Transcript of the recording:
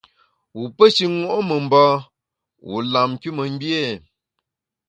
Wu pe shi ṅo’ memba, wu lam nkümengbié ?